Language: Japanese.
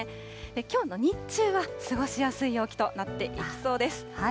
きょうの日中は過ごしやすい陽気となっていきそうです。